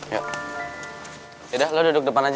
yaudah lo duduk depan aja